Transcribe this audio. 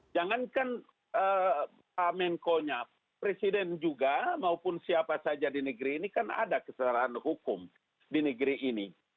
jangankan pak menko nya presiden juga maupun siapa saja di negeri ini kan ada kesalahan hukum di negeri ini